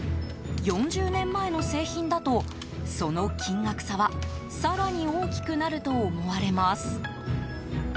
４０年前の製品だとその金額差は更に大きくなると思われます。